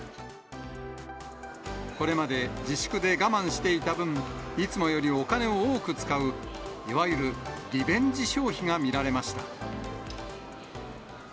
これまで自粛で我慢していた分、いつもよりお金を多く使う、いわゆるリベンジ消費が見られました。